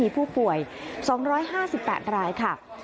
ผู้ป่วย๒๕๘รายค่ะ